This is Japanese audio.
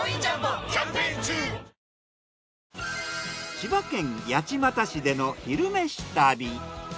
千葉県八街市での「昼めし旅」。